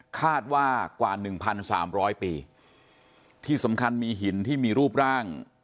คาดว่ากว่าหนึ่งพันสามร้อยปีที่สำคัญมีหินที่มีรูปร่าง